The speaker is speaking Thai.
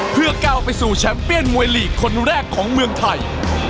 เพื่อก้าวไปสู่แชมป์เปียนมวยลีกคนแรกของเมืองไทย